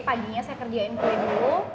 paginya saya kerjain kue dulu